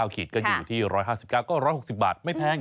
ขีดก็อยู่ที่๑๕๙ก็๑๖๐บาทไม่แพง